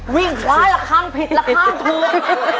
คว้าละครั้งผิดละครั้งถูก